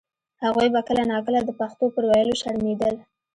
هغوی به کله نا کله د پښتو پر ویلو شرمېدل.